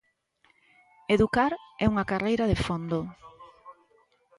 Educar é unha carreira de fondo.